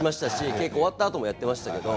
結構終わったあともやってました。